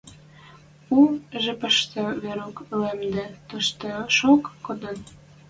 У жепӹштӹ Верук уэмде, тоштешок кодын.